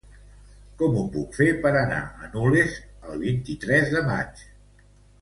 Com ho puc fer per anar a Nulles el vint-i-tres de maig?